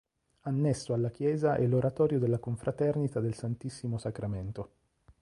Annesso alla chiesa è l'Oratorio della Confraternita del Santissimo Sacramento.